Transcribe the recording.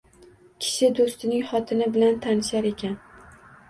Kishi do‘stining xotini bilan tanishar ekan.